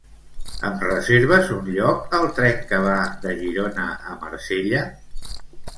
Em reserves un lloc al tren que va de Girona a Marsella?